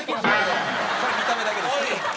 それ見た目だけです。